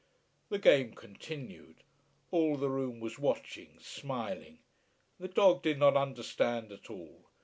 The game continued. All the room was watching, smiling. The dog did not understand at all.